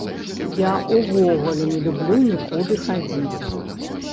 Я ўвогуле не люблю нікуды хадзіць.